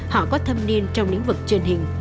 họ có thâm niên trong lĩnh vực truyền hình